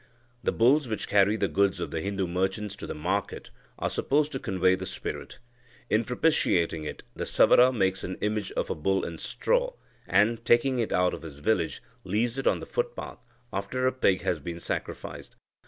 The bulls which carry the goods of the Hindu merchants to the market are supposed to convey the spirit. In propitiating it, the Savara makes an image of a bull in straw, and, taking it out of his village, leaves it on the footpath, after a pig has been sacrificed.